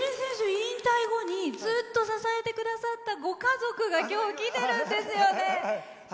引退後にずっと支えてくださったご家族が今日、来てるんですよね。